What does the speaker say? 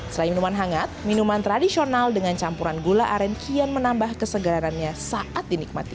selain minuman hangat minuman tradisional dengan campuran gula aren kian menambah kesegarannya saat dinikmati